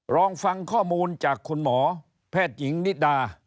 ลองฟังข้อมูลจากคุณหมอแพทย์หญิงนิดา